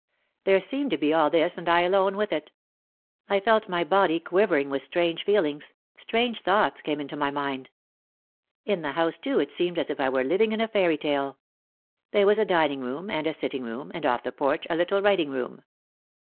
There seemed to be all this and I alone with it. I felt my body quivering with strange feel ings, strange thoughts came into my mind. In the house too it seemed as if I were living in a fairy tale. There was a dining room and a sitting room, and off the porch a little writing room.